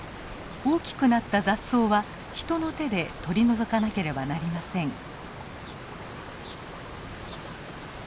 大きくなった雑草は人の手で取り除かなければなりません。